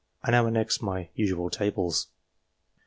I now annex my usual tables.